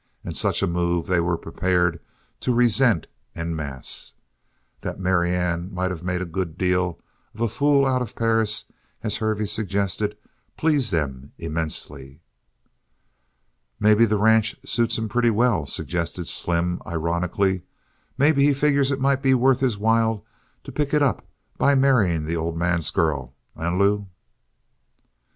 And such a move they were prepared to resent en masse. That Marianne might have made a good deal of a fool out of Perris, as Hervey suggested, pleased them immensely. "Maybe the ranch suits him pretty well," suggested Slim, ironically. "Maybe he figures it might be worth his while to pick it up by marrying the old man's girl. Eh, Lew?"